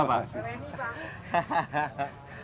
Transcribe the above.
seperti ini pak